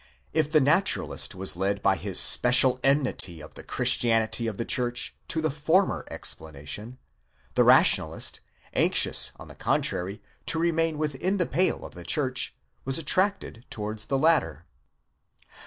If the Naturalist was led by his special enmity to the Christianity of the church to the former ex planation, the Rationalist, anxious, on the contrary, to remain within the pale of the church, was attracted towards the latter.